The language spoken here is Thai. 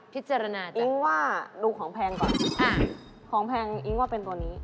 พิจารณาจริงว่าดูของแพงก่อนของแพงอิ๊งว่าเป็นตัวนี้